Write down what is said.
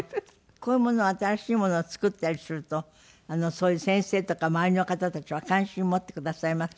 こういうものは新しいものを作ったりするとそういう先生とか周りの方たちは関心を持ってくださいます？